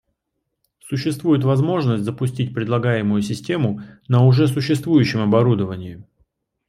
Существует возможность запустить предлагаемую систему на уже существующем оборудовании